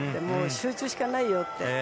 集中しかないよって。